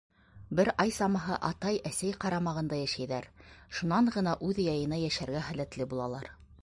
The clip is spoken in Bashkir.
Бер ай самаһы атай-әсәй ҡарамағында йәшәйҙәр, шунан ғына үҙ яйына йәшәргә һәләтле булалар.